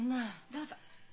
どうぞ。